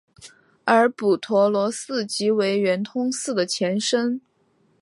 而补陀罗寺即为圆通寺的前身。